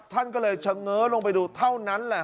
ท่านก็เลยเฉง้อลงไปดูเท่านั้นแหละ